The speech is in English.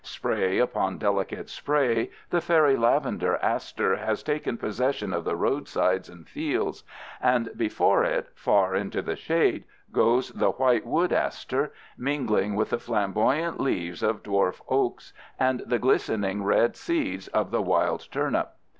Spray upon delicate spray, the fairy lavender aster has taken possession of the roadsides and fields, and before it, far into the shade, goes the white wood aster, mingling with the flamboyant leaves of dwarf oaks and the glistening red seeds of the wild turnip.